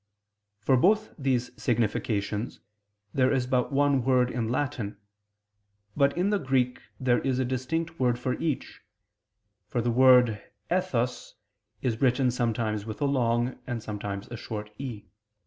For both these significations there is but one word in Latin; but in the Greek there is a distinct word for each, for the word _ethos_is written sometimes with a long, and sometimes a short _e.